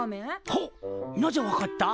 ほっなぜわかった？